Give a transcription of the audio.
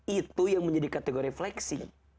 itu yang menjadi kategori flexing